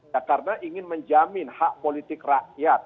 ya karena ingin menjamin hak politik rakyat